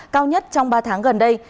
cao nhất trong ba tháng gần đây